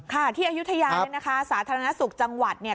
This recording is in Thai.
ที่อายุทยาเนี่ยนะคะสาธารณสุขจังหวัดเนี่ย